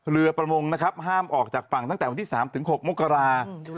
เรือประมงนะครับห้ามออกจากฝั่งตั้งแต่วันที่๓๖มกรา